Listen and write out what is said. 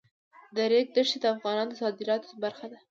د ریګ دښتې د افغانستان د صادراتو برخه ده.